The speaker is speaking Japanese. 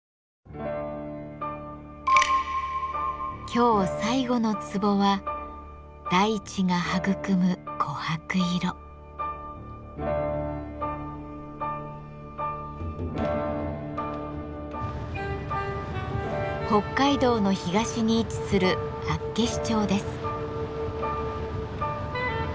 今日最後のツボは北海道の東に位置する厚岸町です。